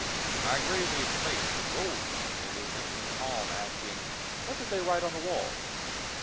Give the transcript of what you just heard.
I gravely placed a gold piece in his itching palm, asking, "What did they write on the walls?"